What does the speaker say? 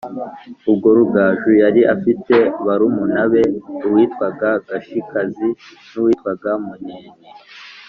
ubwo rugaju yari afite barumuna be uwitwaga gashikazi n'uwitwaga munene